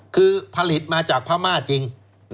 คือผลิตมาจากพม่าจริง